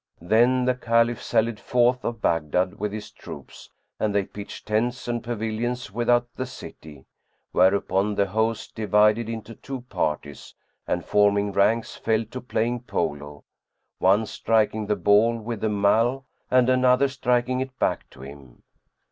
Then the Caliph sallied forth of Baghdad with his troops and they pitched tents and pavilions without the city; whereupon the host divided into two parties and forming ranks fell to playing Polo, one striking the ball with the mall, and another striking it back to him.